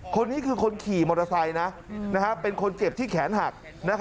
คนนี้คือคนขี่มอเตอร์ไซค์นะเป็นคนเจ็บที่แขนหัก